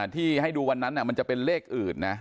ที่ให้ดูวันนั้นมันจะเป็นเลขอื่นนะ